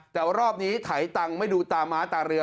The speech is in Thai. แต่ว่ารอบนี้ไถตังค์ไม่ดูตาม้าตาเรือ